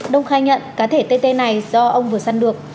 đông khai nhận cá thể tê tê này do ông vừa săn được